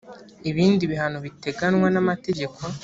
ibindi bihano biteganywa n amategeko